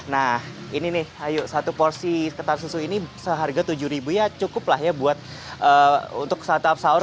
nah ini nih ayu satu porsi ketan susu ini seharga tujuh ribu ya cukup lah ya buat untuk santap sahur